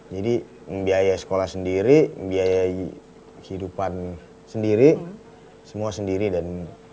membiayai sekolah sendiri membiayai kehidupan sendiri semua sendiri dan